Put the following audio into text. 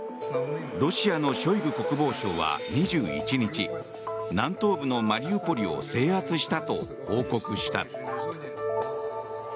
ロシアのショイグ国防相は２１日南東部のマリウポリを制圧したと報告した。